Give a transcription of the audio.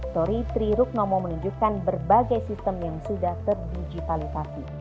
tori tri ruknomo menunjukkan berbagai sistem yang sudah terdigitalisasi